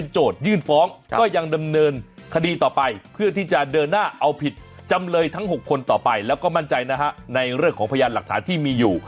ยื่นฟ้องก็ยังดำเนินคดีต่อไปเพื่อที่จะเดินหน้าเอาผิดจำเลยทั้ง๖คนต่อไปแล้วก็มั่นใจนะฮะในเรื่องของพยานหลักฐานที่มีอยู่